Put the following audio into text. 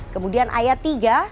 kemudian ayat tiga